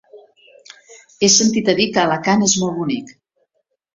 He sentit a dir que Alacant és molt bonic.